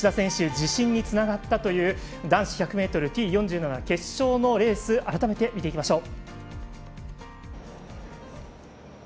自信につながったという男子１００ｍＴ４７決勝のレース改めて見ていきましょう。